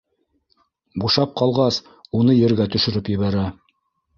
Бушап ҡалғас, уны ергә төшөрөп ебәрә.